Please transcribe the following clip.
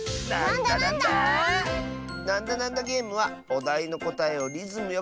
「なんだなんだゲーム」はおだいのこたえをリズムよくいっていくゲーム。